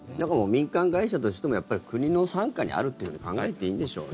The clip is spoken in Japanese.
民間会社としても国の傘下にあるというふうに考えていいんでしょうね。